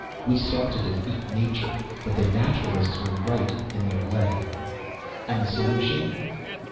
We sought to defeat Nature but the Naturalists were right, in their way." "And the solution?"